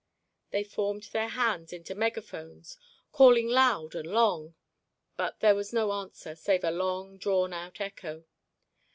They formed their hands into megaphones, calling loud and long, but there was no answer save a long drawn out echo.